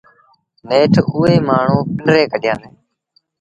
نيٺ اُئي مآڻهوٚٚݩ پنڊريٚ ڪڍيآݩدي